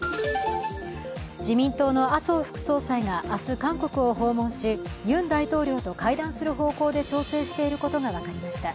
自民党の麻生副総裁が明日、韓国を訪問しユン大統領と会談する方向で調節していることが分かりました。